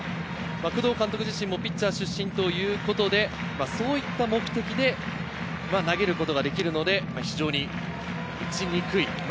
工藤監督自身もピッチャー出身ということで、そういう目的で投げることはできるので、非常に打ちにくい。